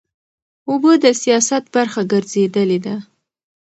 اوبه د سیاست برخه ګرځېدلې ده.